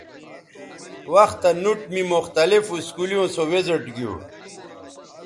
وختہ نوٹ می مختلف اسکولیوں سو وزٹ گیو